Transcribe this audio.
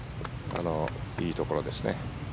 いいところですね。